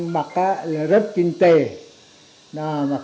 hôm nay làm anh phảiabi phụ trách